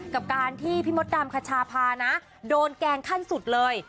กับการที่พี่มดดำคชาพานะโดนแกล้งขั้นสุดเลย